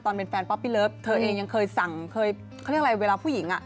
ตอนเป็นแฟนป๊อปปี้เลิฟเธอเองยังเคยสั่งเคยเขาเรียกอะไรเวลาผู้หญิง